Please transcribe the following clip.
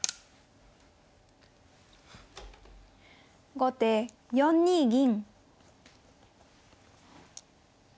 後手４二銀。